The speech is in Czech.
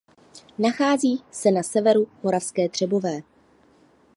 Nachází se na severu Moravské Třebové.